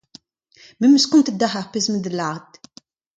Me am eus kontet deoc'h ar pezh am boa da lâret.